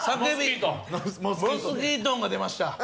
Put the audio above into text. モスキート音が出ました。